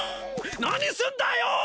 何すんだよ！